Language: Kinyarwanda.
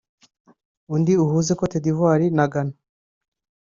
undi uhuze Côte d’Ivoire na Ghana